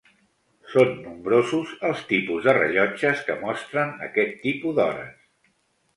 Són nombrosos els tipus de rellotges que mostren aquest tipus d'hores.